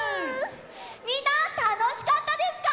みんなたのしかったですか？